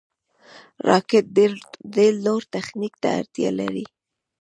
راکټ ډېر لوړ تخنیک ته اړتیا لري